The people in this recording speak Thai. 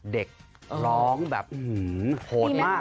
เด็กร้องแบบโหดมาก